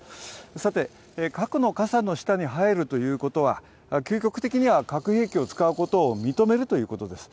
さて、核の傘の下に入るということは究極的には核兵器を使うことを認めるということです。